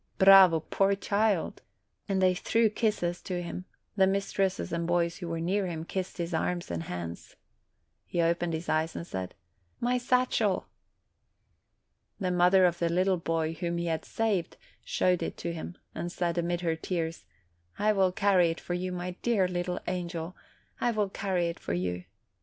Bravo, poor child!" and they threw kisses to him; the mistresses and boys who were near him kissed his hands and his arms. He opened his eyes and said, "My satchel!" The mother of the little boy whom he had saved showed it to him and said, amid her tears, "I will carry it for you, my dear little angel ; I will carry it for you."